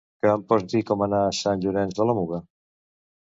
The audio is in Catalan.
Que em pots dir com anar a Sant Llorenç de la Muga?